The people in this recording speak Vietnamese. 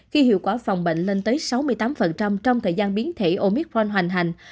khi hiệu quả phòng bệnh lên tới sáu mươi tám trong thời gian biến thể omitforn hoành hành